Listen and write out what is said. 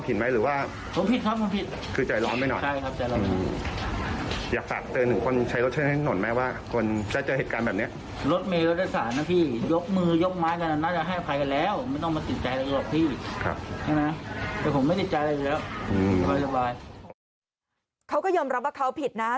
เขาก็ยอมรับว่าเขาผิดนะ